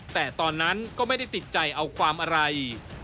แต่ตอนนั้นก็ไม่ได้ติดใจเอาความอะไร